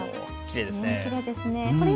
きれいですね。